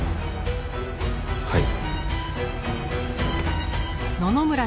はい。